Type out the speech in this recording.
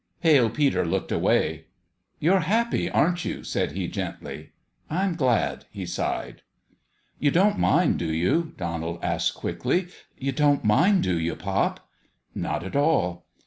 Pale Peter looked away. " You're happy, aren't you?" said he, gently. "I'm glad," he sighed. "You don't mind, do you?" Donald asked, quickly. "You don't mind, do you, pop?' " Not at all."